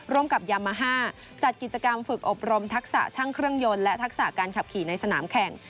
ร่วมกับยามาฮ่าจัดกิจกรรมฝึกอบรมทักษะช่างเครื่องยนต์และทักษะการขับขี่ในสนามแข่ง